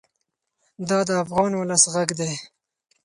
دا د افغان ولس غږ دی.